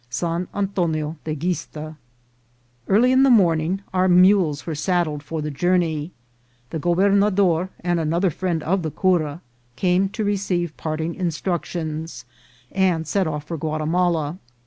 — San Antonio de Guista. EARLY in the morning our mules were saddled for the journey. The gobernador and another friend of the cura came to receive parting instructions, and set off for Guatimala.